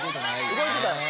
動いてた！